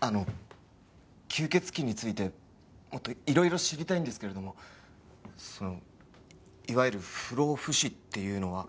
あの吸血鬼についてもっといろいろ知りたいんですけれどもそのいわゆる不老不死っていうのは。